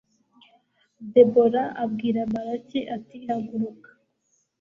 debora abwira baraki, ati haguruka